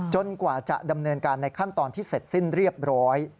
กว่าจะดำเนินการในขั้นตอนที่เสร็จสิ้นเรียบร้อย